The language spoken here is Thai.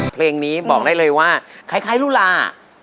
เพลงนี้บอกได้เลยว่าคล้ายลูลา